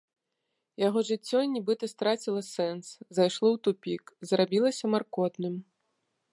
Яго жыццё нібыта страціла сэнс, зайшло ў тупік, зрабілася маркотным.